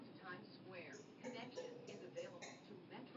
خلک د سختو حالاتو سره ژوند کوي.